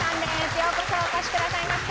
ようこそお越しくださいました。